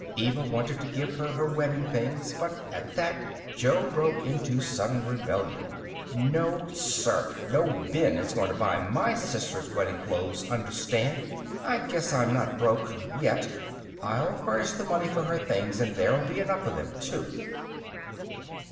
Eva wanted to give her her wedding things, but at that Jo broke into sudden rebellion. "No, sir! No Ben is going to buy my sister's wedding clothes, understand? I guess I'm not broke yet. I'll furnish the money for her things, and there'll be enough of them, too."